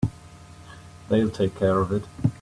They'll take care of it.